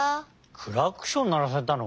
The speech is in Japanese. クラクションならされたの？